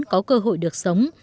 có cơ hội được sống